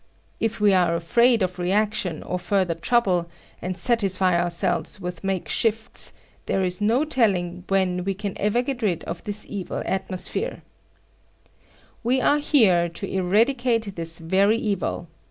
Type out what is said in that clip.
If we are afraid of reaction or further trouble, and satisfy ourselves with make shifts, there is no telling when we can ever get rid of this evil atmosphere[G]. We are here to eradicate this very evil.